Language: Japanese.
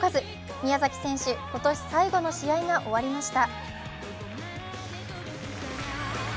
宮崎選手、今年最後の試合が終わりました。